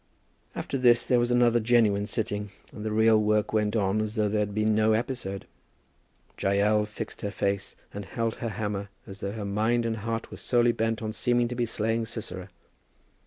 After this there was another genuine sitting, and the real work went on as though there had been no episode. Jael fixed her face, and held her hammer as though her mind and heart were solely bent on seeming to be slaying Sisera.